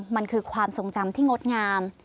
มันคือความทรงจำที่งดงาม